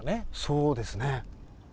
そうですね。